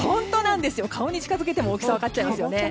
顔に近づけても大きさ分かっちゃいますよね。